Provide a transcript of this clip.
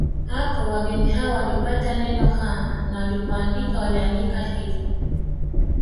Hapo wageni hao walipata neno Ha na walipoandika waliaandika hivyo